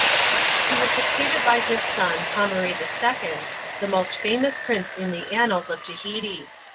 He was succeeded by his son, Pomare|e II., the most famous prince in the annals of Tahiti.